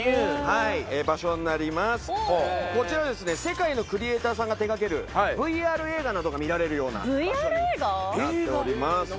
世界のクリエイターさんが手掛けるＶＲ映画などが見られるような場所になっております。